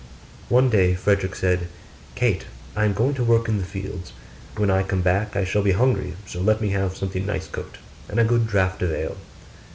One day Frederick said. 'Kate! I am going to work in the fields; when I come back I shall be hungry so let me have something nice cooked, and a good draught of ale.